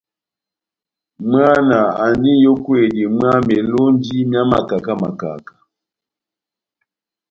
Mwana andi n'yókwedi mwá melonji mia makaka makaka.